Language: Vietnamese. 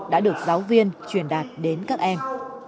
đã được giáo viên truyền đạt đến các em